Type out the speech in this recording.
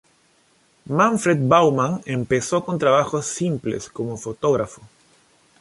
Manfred Baumann empezó con trabajos simples como fotógrafo.